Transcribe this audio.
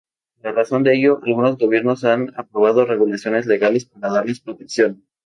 En razón de ello, algunos gobiernos han aprobado regulaciones legales para darles protección.